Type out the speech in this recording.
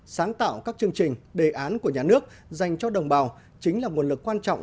sáng tạo các chương trình đề án của nhà nước dành cho đồng bào chính là nguồn lực quan trọng